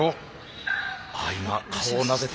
今顔をなでて。